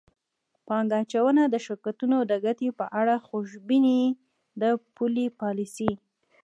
پانګه اچوونکو د شرکتونو د ګټې په اړه خوشبیني د پولي پالیسۍ